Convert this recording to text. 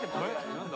何だ？